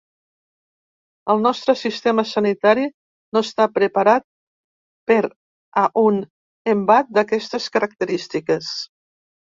El nostre sistema sanitari no està preparat per a un embat d’aquestes característiques.